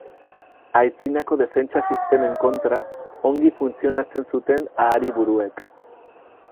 Aitzinako defentsa sistemen kontra ongi funtzionatzen zuten ahari-buruek.